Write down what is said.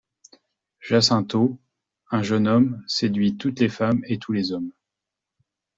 Jacinto, un jeune homme, séduit toutes les femmes et tous les hommes.